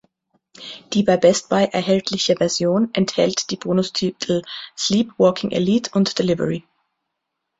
Die bei Best Buy erhältliche Version enthält die Bonustitel "Sleep Walking Elite" und "Delivery".